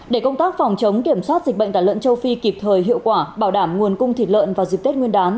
để công tác phòng chống kiểm soát dịch bệnh tả lợn châu phi kịp thời hiệu quả bảo đảm nguồn cung thịt lợn vào dịp tết nguyên đán